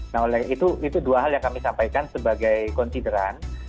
nah oleh itu dua hal yang kami sampaikan sebagai konsideran